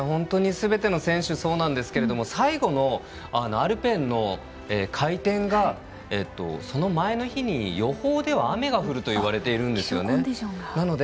どの選手もそうなんですが最後のアルペンの回転がその前の日に予報では雨が降ると言われているんです。